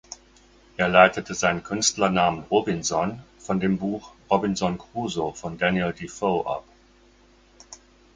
Er leitete seinen Künstlernamen „Robinson“ von dem Buch "Robinson Crusoe" von Daniel Defoe ab.